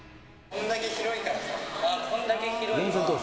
こんだけ広いと。